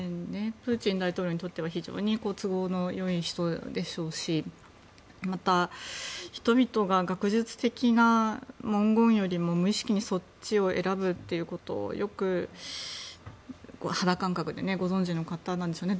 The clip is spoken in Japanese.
プーチン大統領にとっては非常に都合のいい人でしょうしまた、人々が学術的な文言よりも無意識にそっちを選ぶということをよく肌感覚でご存じの方なんでしょうね。